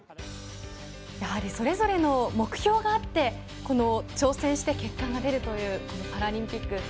それぞれの目標があって挑戦して結果が出るというパラリンピック。